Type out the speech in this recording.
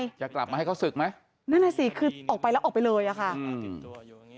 จะกลับมาให้เขาศึกไหมนั่นน่ะสิคือออกไปแล้วออกไปเลยอ่ะค่ะอืม